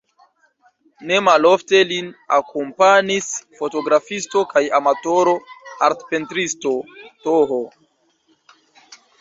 Ne malofte lin akompanis fotografisto kaj amatoro-artpentristo Th.